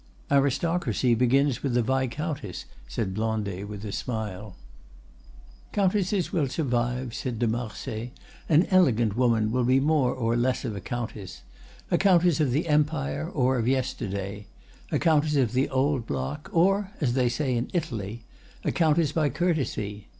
"Aristocracy begins with the viscountess," said Blondet with a smile. "Countesses will survive," said de Marsay. "An elegant woman will be more or less of a countess—a countess of the Empire or of yesterday, a countess of the old block, or, as they say in Italy, a countess by courtesy.